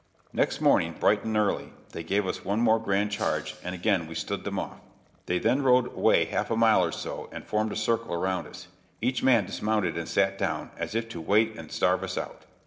Next morning, bright and early, they gave us one more grand charge, and again we "stood them off." They then rode away half a mile or so, and formed a circle around us. Each man dismounted and sat down, as if to wait and starve us out.